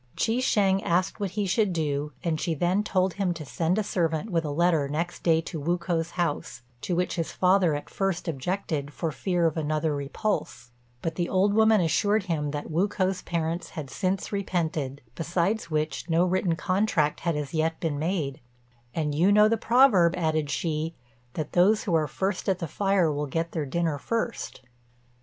Chi shêng asked what he should do, and she then told him to send a servant with a letter next day to Wu k'o's house, to which his father at first objected for fear of another repulse; but the old woman assured him that Wu k'o's parents had since repented, besides which no written contract had as yet been made; "and you know the proverb," added she, "that those who are first at the fire will get their dinner first."